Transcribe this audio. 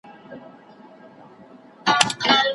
له ماښامه تر سهاره یې غپله